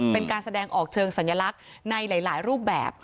เป็นการแสดงออกเชิงสัญลักษณ์ในหลายรูปแบบ